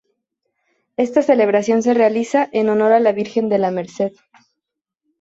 Esta celebración se realiza en honor a la Virgen de la Merced.